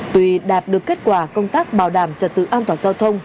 tuy đạt được kết quả công tác bảo đảm trật tự an toàn giao thông